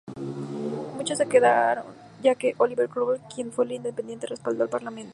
Muchos se quedaron, ya que Oliver Cromwell, quien fue un Independiente, respaldó al Parlamento.